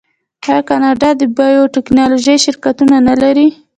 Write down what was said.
آیا کاناډا د بایو ټیکنالوژۍ شرکتونه نلري؟